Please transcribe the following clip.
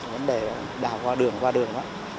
vấn đề đào qua đường